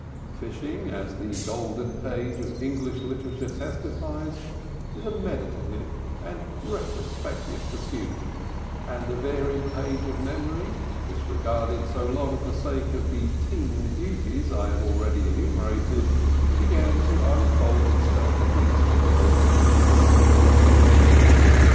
Fishing, as the golden page of English literature testifies, is a meditative and retrospective pursuit, and the varied page of memory, disregarded so long for sake of the teeming duties I have already enumerated, began to unfold itself to Mr. Polly's consideration.